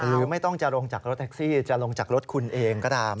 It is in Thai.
หรือไม่ต้องจะลงจากรถแท็กซี่จะลงจากรถคุณเองก็ตาม